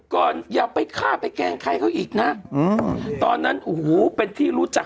อย่าไปฆ่าไปแกล้งใครเขาอีกนะตอนนั้นโอ้โหเป็นที่รู้จัก